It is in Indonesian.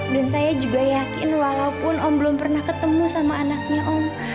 dan saya juga yakin walaupun om belum pernah ketemu sama anaknya om